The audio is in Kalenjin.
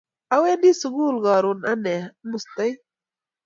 Awendi sukul karon ane, amustai